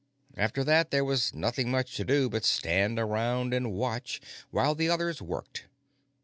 After that, there was nothing much to do but stand around and watch while the others worked.